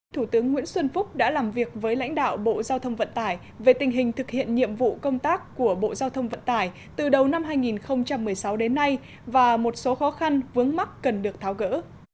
thủ tướng nguyễn xuân phúc đã làm việc với lãnh đạo bộ giao thông vận tải về tình hình thực hiện nhiệm vụ công tác của bộ giao thông vận tải từ đầu năm hai nghìn một mươi sáu đến nay và một số khó khăn vướng mắt cần được tháo gỡ